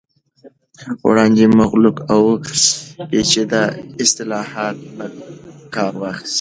وړاندې مغلق او پیچیده اصطلاحاتو نه کار واخست